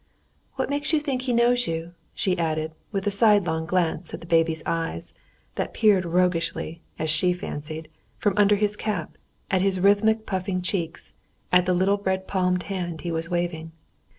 "What makes you think he knows you?" she added, with a sidelong glance at the baby's eyes, that peered roguishly, as she fancied, from under his cap, at his rhythmically puffing cheeks, and the little red palmed hand he was waving.